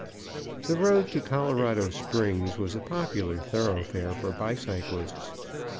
The road to Colorado Springs was a popular thoroughfare for bicyclists.